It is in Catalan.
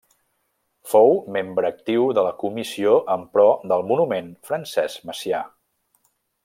Fou membre actiu de la comissió en pro del monument Francesc Macià.